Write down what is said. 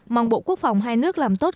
mong bộ quốc phòng hai nước làm tốt